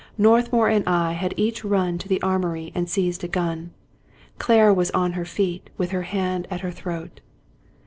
Northmour and I had each run to the armory and seized a gun. Clara was on her feet with her hand at her throat.